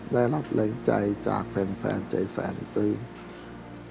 ได้รับแรงใจจากแฟนใจแสนอีกด้วย